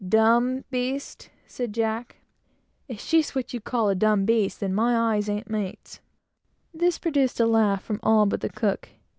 "Dumb beast!" said Jack; "if she's what you call a dumb beast, then my eyes a'n't mates." This produced a laugh from all but the cook.